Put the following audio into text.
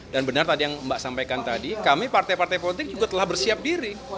dan benar tadi yang mbak sampaikan tadi kami partai partai politik juga telah bersiap diri